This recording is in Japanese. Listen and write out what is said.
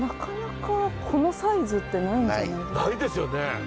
ないですよね。